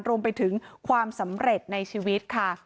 รวมไปถึงความสำเร็จในชีวิตค่ะ